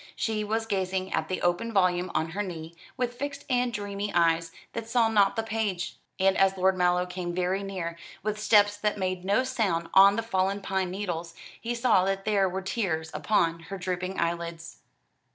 She was gazing at the open volume on her knee, with fixed and dreamy eyes that saw not the page; and as Lord Mallow came very near, with steps that made no sound on the fallen pine needles, he saw that there were tears upon her drooping eyelids.